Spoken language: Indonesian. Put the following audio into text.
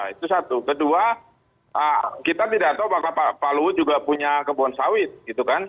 itu satu kedua kita tidak tahu apakah pak luhut juga punya kebun sawit gitu kan